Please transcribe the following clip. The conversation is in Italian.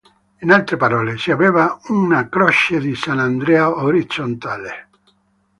In altre parole, si aveva una "Croce di Sant'Andrea" orizzontale.